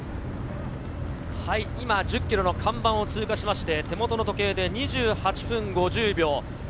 今、１０ｋｍの看板を通過して手元の時計で２８分５０秒。